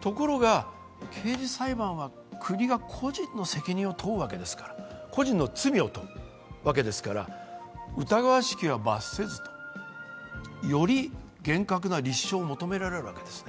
ところが刑事裁判は国が個人の責任を問うわけですから、個人の罪を問うわけですから、疑わしきは罰せず、より厳格な立証を求められるわけですね。